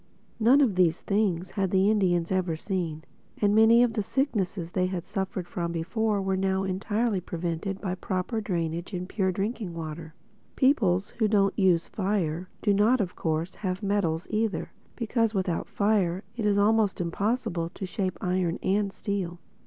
None of these things had the Indians ever seen; and many of the sicknesses which they had suffered from before were now entirely prevented by proper drainage and pure drinking water. Peoples who don't use fire do not of course have metals either; because without fire it is almost impossible to shape iron and steel.